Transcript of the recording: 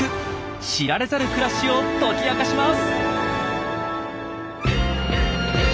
知られざる暮らしを解き明かします。